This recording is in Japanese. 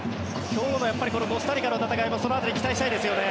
今日のコスタリカの戦いもその辺り期待したいですよね。